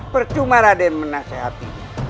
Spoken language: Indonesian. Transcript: percuma raden menasehati